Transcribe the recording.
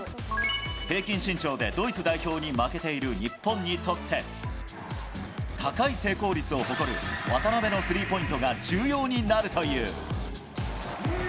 平均身長でドイツ代表に負けている日本にとって、高い成功率を誇る渡邊のスリーポイントが重要になるという。